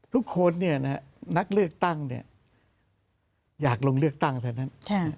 ทุกคนเนี่ยนะครับนักเลือกตั้งเนี่ยอยากลงเลือกตั้งเท่านั้น